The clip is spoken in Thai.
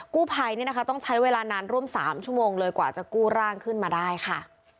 กู้ภัยเนี่ยนะคะต้องใช้เวลานานร่วม๓ชั่วโมงเลยกว่าจะกู้ร่างขึ้นมาได้ค่ะ